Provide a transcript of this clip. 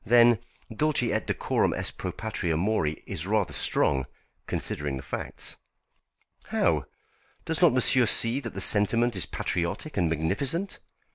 Then 'Dulce et decorum est pro patria mori' is rather strong, considering the facts." "How? Does not monsieur see that the sentiment is patriotic and magnificent?"